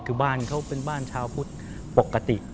คือบ้านเขาเป็นบ้านชาวพุทธปกติ